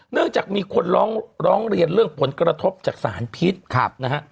เนื่องจากมีคนร้องเรียนเรื่องผลกระทบจากสารพิษนะฮะ